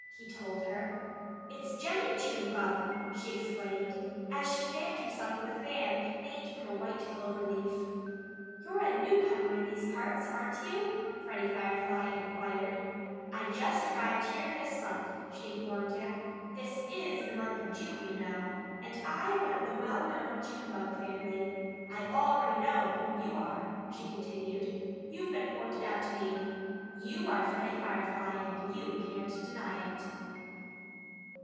he told her. "It's Jennie Junebug," she explained, as she fanned herself with a fan made from a white clover leaf. "You're a newcomer in these parts, aren't you?" Freddie Firefly inquired. "I just arrived here this month," she informed him. "This is the month of June, you know. And I'm one of the well known Junebug family. ... I already know who you are," she continued. "You've been pointed out to me. You are Freddie Firefly; and you can't deny it."